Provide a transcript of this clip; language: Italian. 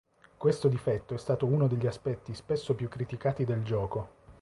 Questo difetto è stato uno degli aspetti spesso più criticati del gioco.